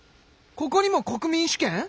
ここにも国民主権？